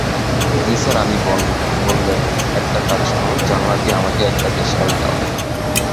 নিসার আলি বললেন, একটা কাজ কর, জানালা দিয়ে আমাকে একটা দেশলাই দাও।